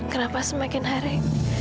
kenapa semakin harik